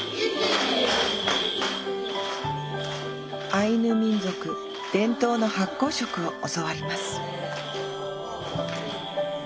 アイヌ民族伝統の発酵食を教わります